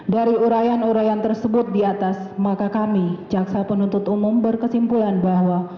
dari urayan urayan tersebut di atas maka kami jaksa penuntut umum berkesimpulan bahwa